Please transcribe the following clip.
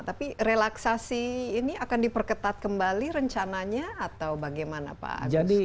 jadi relaksasi ini akan diperketat kembali rencananya atau bagaimana pak agus